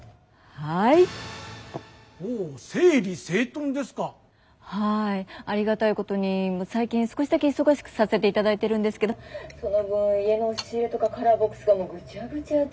はいありがたいことに最近少しだけ忙しくさせて頂いてるんですけどその分家の押し入れとかカラーボックスがもうぐちゃぐちゃで。